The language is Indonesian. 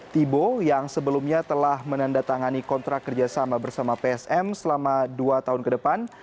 thibo yang sebelumnya telah menandatangani kontrak kerjasama bersama psm selama dua tahun ke depan